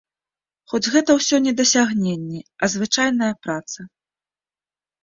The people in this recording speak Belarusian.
Хоць гэта ўсё не дасягненні, а звычайная праца.